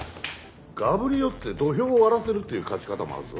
がぶり寄って土俵を割らせるっていう勝ち方もあるぞ。